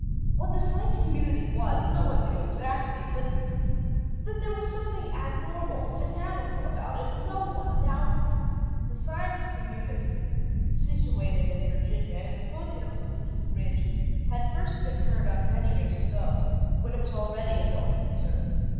What the Science Community was, no one knew exactly; but that there was something abnormal, fanatical, about it, no one doubted. The Science Community, situated in Virginia, in the foothills of the Blue Ridge, had first been heard of many years ago, when it was already a going concern.